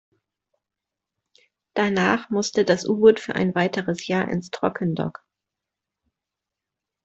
Danach musste das U-Boot für ein weiteres Jahr ins Trockendock.